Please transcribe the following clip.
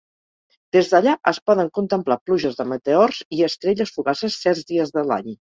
Des d'allà es poden contemplar pluges de meteors i estrelles fugaces certs dies de l'any.